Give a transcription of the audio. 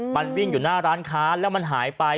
มันวิ่งอยู่หน้าร้านค้าแล้วมันหายไป